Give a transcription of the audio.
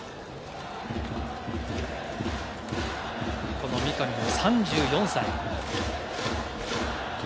この三上も３４歳。